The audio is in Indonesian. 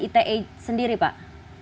ite sendiri pak